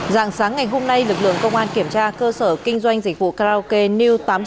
giảng sáng ngày hôm nay lực lượng công an kiểm tra cơ sở kinh doanh dịch vụ karaoke new tám mươi sáu